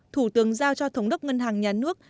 thủ tướng giao cho thống đốc ngân hàng nhà nước